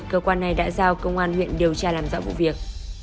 cơ quan này đã giao công an huyện điều tra làm rõ vụ việc